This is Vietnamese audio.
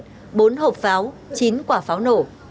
trên hộp pháo chín quả pháo nổ